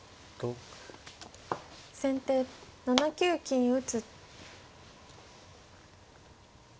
先手７九金打。